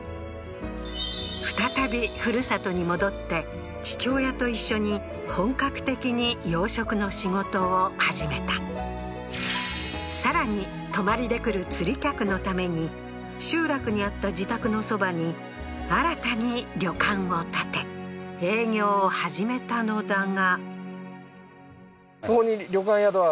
再び故郷に戻って父親と一緒に本格的に養殖の仕事を始めたさらに泊まりで来る釣り客のために集落にあった自宅のそばに新たに旅館を建て営業を始めたのだが